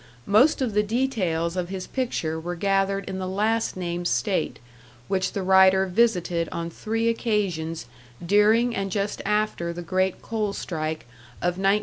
Most of the details of his picture were gathered in the last named state, which the writer visited on three occasions during and just after the great coal strike of 1913 14.